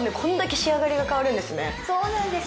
そうなんです。